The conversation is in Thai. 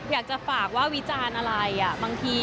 อยากจะฝากว่าวิจารณ์อะไร